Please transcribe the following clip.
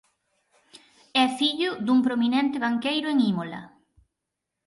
É fillo dun prominente banqueiro en Imola.